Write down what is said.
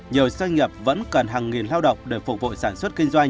nhiều doanh nghiệp vẫn cần hàng nghìn lao động để phục vụ sản xuất kinh doanh